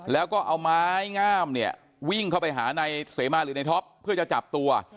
แล้วก็เอาไม้งามเนี่ยวิ่งเข้าไปหานายเสมาหรือในท็อปเพื่อจะจับตัว